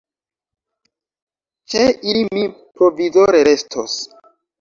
Ĉe ili mi provizore restos.